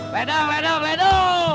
bedung bedung bedung